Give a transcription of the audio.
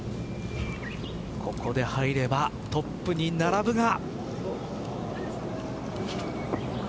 ここで入ればトップに並ぶが。